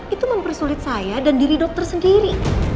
itu mempersulit saya dan diri dokter sendiri